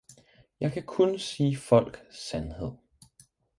Jeg kan kun sige folk sandhed!